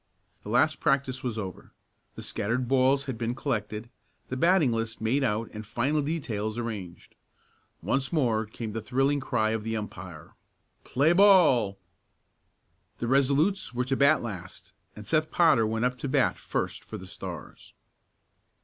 The last practice was over. The scattered balls had been collected, the batting list made out and final details arranged. Once more came the thrilling cry of the umpire: "Play ball!" The Resolutes were to bat last, and Seth Potter went up to bat first for the Stars.